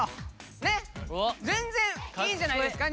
全然いいんじゃないですか。